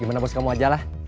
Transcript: gimana bos kamu ajalah